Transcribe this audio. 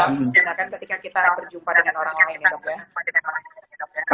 menggunakan ketika kita berjumpa dengan orang lain ya dok ya